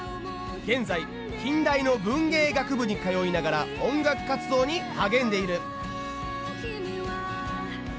現在近大の文芸学部に通いながら音楽活動に励んでいる。